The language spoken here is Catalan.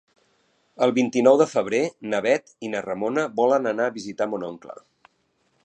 El vint-i-nou de febrer na Bet i na Ramona volen anar a visitar mon oncle.